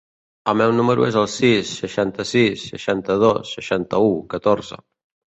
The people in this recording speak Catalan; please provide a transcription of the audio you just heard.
El meu número es el sis, seixanta-sis, seixanta-dos, seixanta-u, catorze.